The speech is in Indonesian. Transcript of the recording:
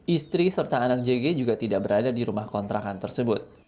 istri serta anak jg juga tidak berada di rumah kontrakan tersebut